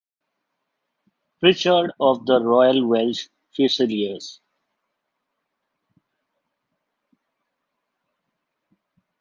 Pritchard of the Royal Welch Fusiliers.